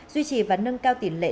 duy trì và nâng cao tỉ lệ